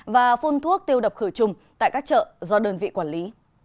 và phun thuốc tiêu độc khử trùng tại các chợ do đơn vị quản lý